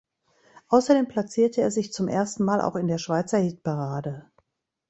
Außerdem platzierte er sich zum ersten Mal auch in der Schweizer Hitparade.